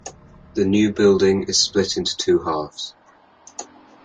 The new building is split into two halves.